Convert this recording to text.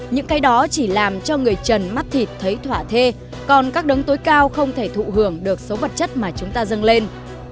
những cái đó chỉ làm cho người trần mắt thịt thấy thỏa thê còn các đống tối cao không thể thụ hưởng được số vật chất mà chúng ta dâng lên